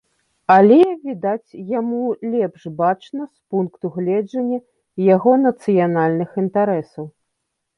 Але, відаць, яму лепш бачна з пункту гледжання яго нацыянальных інтарэсаў.